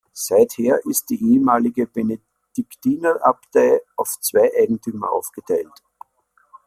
Seither ist die ehemalige Benediktinerabtei auf zwei Eigentümer aufgeteilt.